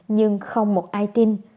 nhưng không một ai tin